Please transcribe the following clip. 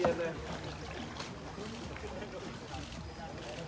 สวัสดีครับทุกคน